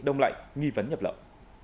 đông lạnh nghi vấn nhập lậu